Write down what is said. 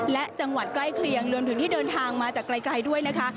และจังหวัดใกล้เคียงรวมถึงที่เดินทางมาจากไกลด้วยนะคะ